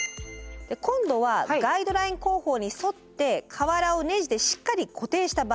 今度はガイドライン工法に沿って瓦をねじでしっかり固定した場合です。